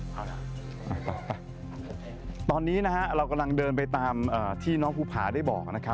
ไปตอนนี้เรากำลังเดินไปตามที่น้องภูภาได้บอก